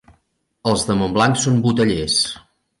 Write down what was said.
Els de Montblanc són botellers.